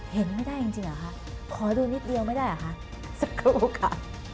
เห็นไม่ได้จริงเหรอคะขอดูนิดเดียวไม่ได้เหรอคะสักครู่ค่ะ